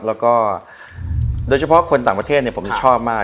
แล้วก็โดยเฉพาะคนต่างประเทศผมชอบมาก